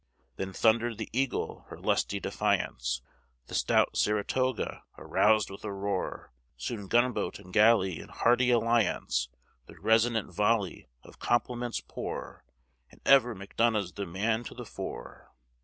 Then thundered the Eagle her lusty defiance; The stout Saratoga aroused with a roar; Soon gunboat and galley in hearty alliance Their resonant volley of compliments pour; And ever Macdonough's the man to the fore!